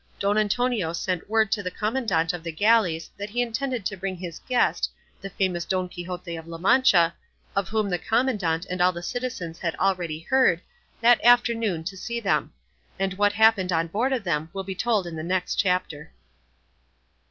Don Antonio sent word to the commandant of the galleys that he intended to bring his guest, the famous Don Quixote of La Mancha, of whom the commandant and all the citizens had already heard, that afternoon to see them; and what happened on board of them will be told in the next chapter.